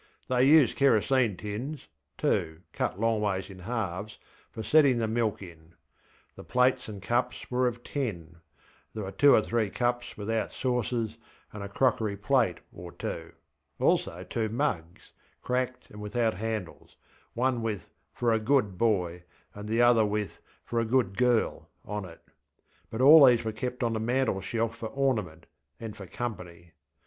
They used kerosene tins, too, cut longways in halves, for setting the milk in. The plates and cups were of tin; there were two or three cups without saucers, and a crockery plate or twoŌĆöalso two mugs, cracked and without handles, one with ŌĆśFor a Good BoyŌĆÖ and the other with ŌĆśFor a Good GirlŌĆÖ on it; but all these were kept on the mantel shelf for ornament and for company.